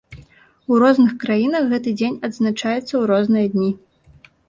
У розных краінах гэты дзень адзначаецца ў розныя дні.